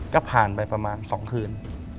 ก็ผ่านไปประมาณ๒คืน